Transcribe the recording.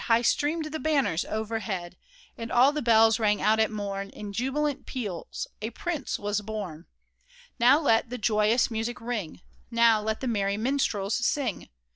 High streamed the banners overhead, And all the bells rang out at morn In jubilant peals — a Prince was born| Now let the joyous music ring ! Now let the merry minstrels sing